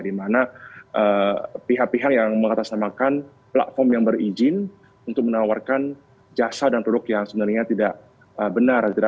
di mana pihak pihak yang mengatasnamakan platform yang berizin untuk menawarkan jasa dan produk yang sebenarnya tidak benar